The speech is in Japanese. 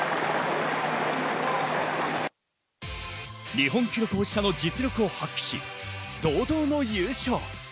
日本記録保持者の実力を発揮し、堂々の優勝。